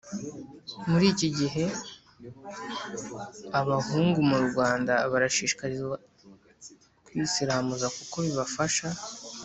muri iki gihe abahungu mu rwanda barashishikarizwa kwisiramuza kuko bibafasha